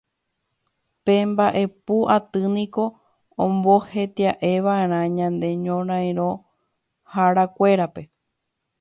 Pe Mba'epu Aty niko omboheti'eva'erã ñane ñorairõharakuérape